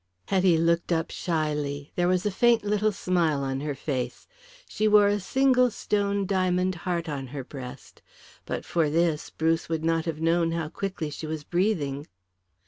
Hetty looked up shyly. There was a faint little smile on her face. She wore a single stone diamond heart on her breast. But for this Bruce would not have known how quickly she was breathing.